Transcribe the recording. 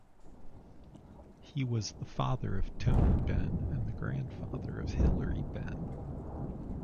He was the father of Tony Benn and the grandfather of Hilary Benn.